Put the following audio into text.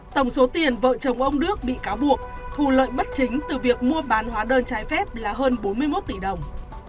tổng số tiền vợ chồng ông đức bị cáo buộc thu lợi bất chính từ việc mua bán hóa đơn trái phép là hơn bốn mươi một tỷ đồng